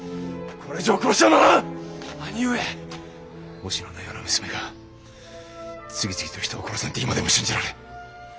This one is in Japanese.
おしののような娘が次々と人を殺すなんて今でも信じられん。